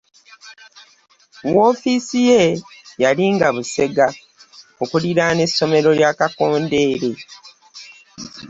Woofiisi ye yalinga Busega okuliraana essomero lya Kakondere.